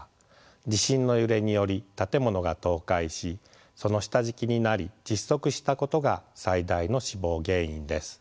地震の揺れにより建物が倒壊しその下敷きになり窒息したことが最大の死亡原因です。